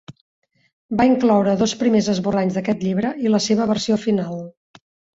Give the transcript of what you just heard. Va incloure dos primers esborranys d'aquest llibre i la seva versió final.